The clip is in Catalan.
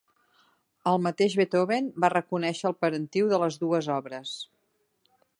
El mateix Beethoven va reconèixer el parentiu de les dues obres.